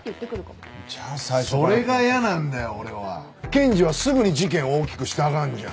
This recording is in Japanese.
検事はすぐに事件を大きくしたがるじゃん。